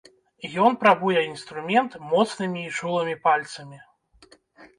Ён прабуе інструмент моцнымі і чулымі пальцамі.